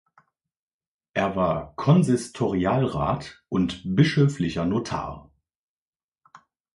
Er war Konsistorialrat und bischöflicher Notar.